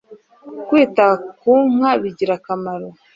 kwita ku nka bigira akamaro